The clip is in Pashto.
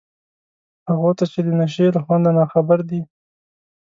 هغو ته چي د نشې له خونده ناخبر دي